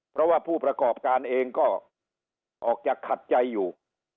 เพราะว่าผู้ประกอบการเองก็ออกจากขัดใจอยู่